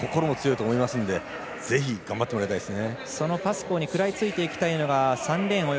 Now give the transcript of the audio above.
技術もパワーも心も強いと思いますのでぜひ、頑張ってもらいたいですね。